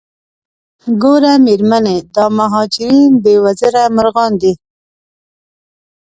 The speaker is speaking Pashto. ګوره میرمنې دا مهاجرین بې وزره مرغان دي.